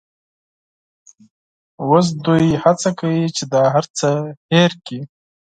اوس دوی هڅه کوي چې دا هرڅه هېر کړي.